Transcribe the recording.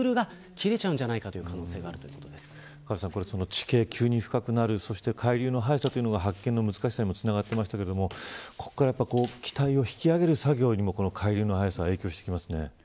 地形が急に深くなり海流の速さが発見の難しさにつながっていましたが機体を引き揚げる作業にも海流の速さが影響してきますね。